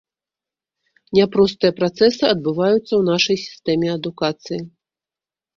Няпростыя працэсы адбываюцца ў нашай сістэме адукацыі.